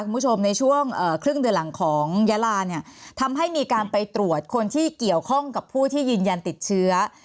คุณผู้ชมในช่วงครึ่งเดือนหลังของยาลาเนี่ยทำให้มีการไปตรวจคนที่เกี่ยวข้องกับผู้ที่ยืนยันติดเชื้อ